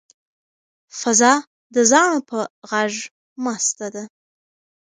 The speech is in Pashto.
فضا د زاڼو په غږ مسته ده.